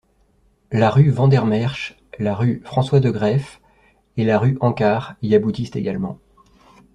La rue Vandermeersch, la rue François Degreef et la rue Hancart y aboutissent également.